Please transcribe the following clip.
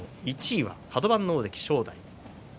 １位はカド番の大関正代。